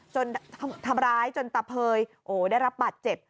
จนทำร้ายจนตะเภยได้รับบัตรเจ็บ